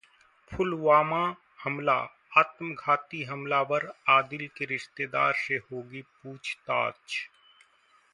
पुलवामा हमलाः आत्मघाती हमलावर आदिल के रिश्तेदार से होगी पूछताछ